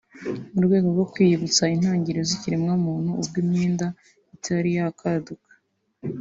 mu rwego rwo kwiyibutsa intangiriro z’ikiremwamuntu ubwo imyenda itari yakaduka